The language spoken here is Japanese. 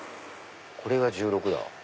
これが「１６」だ。